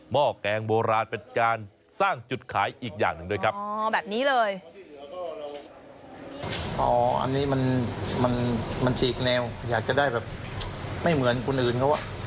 มันมันมันฉีกแนวอยากจะได้แบบไม่เหมือนคนอื่นเขาอ่ะ